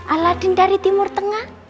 aladin dari timur tengah